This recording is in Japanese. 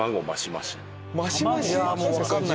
もうわかんない。